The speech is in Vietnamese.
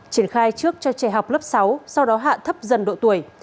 triển khai trước cho trẻ học lớp sáu sau đó hạ thấp dần độ tuổi